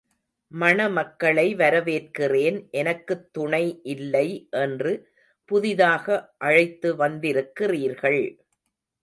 மணமக்களை வரவேற்கிறேன் எனக்குத் துணை இல்லை என்று புதிதாக அழைத்து வந்திருக்கிறீர்கள்.